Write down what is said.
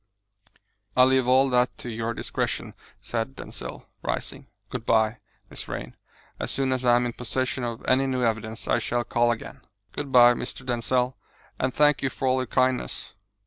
"I leave all that to your discretion," said Denzil, rising. "Good bye, Miss Vrain. As soon as I am in possession of any new evidence I shall call again." "Good bye, Mr. Denzil, and thank you for all your kindness."